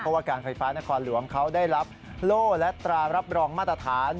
เพราะว่าการไฟฟ้านครหลวงเขาได้รับโล่และตรารับรองมาตรฐาน